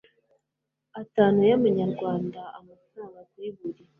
atanu y amanyarwanda frw kuri buri